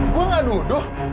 gua gak nuduh